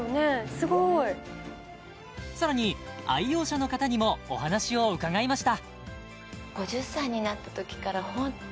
すごいさらに愛用者の方にもお話を伺いました